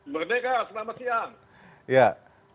merdeka selamat siang